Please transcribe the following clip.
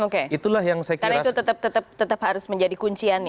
karena itu tetap harus menjadi kunciannya